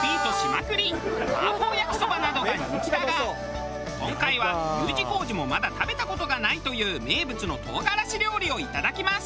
麻婆やきそばなどが人気だが今回はＵ字工事もまだ食べた事がないという名物の唐辛子料理をいただきます。